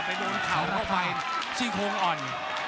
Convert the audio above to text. โดนเข่าเข้าไปซี่โครงอ่อน